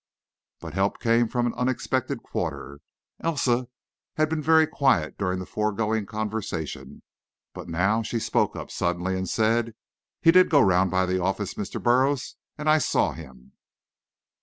But help came from an unexpected quarter. Elsa had been very quiet during the foregoing conversation, but now she spoke up suddenly, and said: "He did go round by the office, Mr. Burroughs, and I saw him."